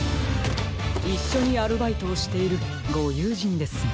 いっしょにアルバイトをしているごゆうじんですね。